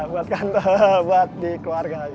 buat di keluarga